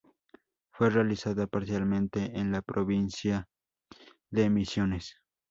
Fue realizada parcialmente en la Provincia de Misiones.